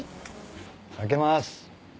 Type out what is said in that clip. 開けます。